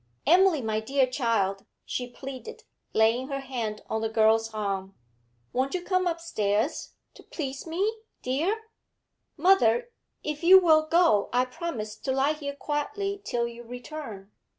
'Emily, my dear child,' she pleaded, laying her hand on the girl's arm, 'won't you come upstairs, to please me, dear?' 'Mother, if you will go, I promise to lie here quietly till you return.'